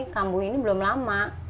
kambung ini belum lama